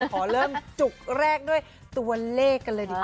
ขอเริ่มจุกแรกด้วยตัวเลขกันเลยดีกว่า